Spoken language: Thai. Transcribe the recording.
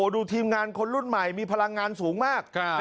ทีมงานคนรุ่นใหม่มีพลังงานสูงมาก